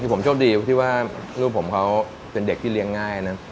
ผมโชคดีที่ว่าลูกผมเขาเป็นเด็กที่เลี้ยงง่ายนะ